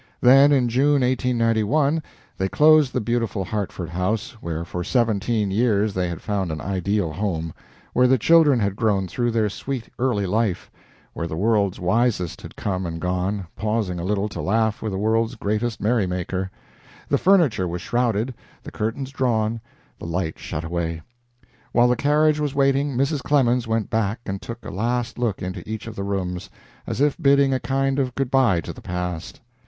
Then, in June, 1891, they closed the beautiful Hartford house, where for seventeen years they had found an ideal home; where the children had grown through their sweet, early life; where the world's wisest had come and gone, pausing a little to laugh with the world's greatest merrymaker. The furniture was shrouded, the curtains drawn, the light shut away. While the carriage was waiting, Mrs. Clemens went back and took a last look into each of the rooms, as if bidding a kind of good by to the past.